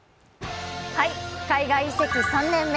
海外移籍３年目